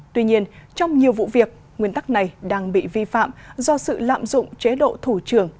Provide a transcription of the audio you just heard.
tuy nhiên trong nhiều vụ việc nguyên tắc này đang bị vi phạm do sự lạm dụng chế độ thủ trưởng